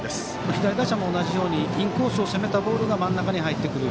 左打者も、同じようにインコースを攻めたボールが真ん中に入ってくる。